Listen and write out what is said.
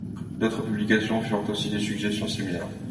D’autres publications firent aussi des suggestions similaires.